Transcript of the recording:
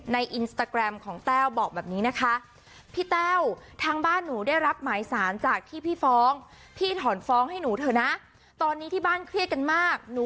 อินสตาแกรมของแต้วบอกแบบนี้นะคะ